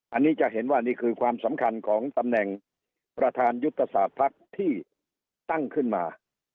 อันนี้จะเห็นว่านี่คือความสำคัญของตำแหน่งประธานยุทธศาสตร์ภักดิ์ที่ตั้งขึ้นมา